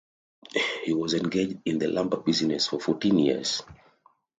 He was engaged in the lumber business for fourteen years.